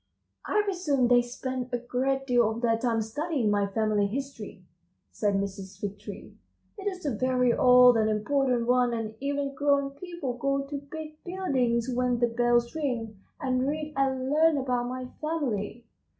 "I presume they spend a great deal of their time studying my family history," said Mrs. Fig Tree. "It is a very old and important one, and even grown people go to big buildings when the bells ring, and read and learn about my family."